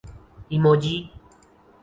emoji